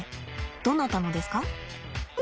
どなたのですか？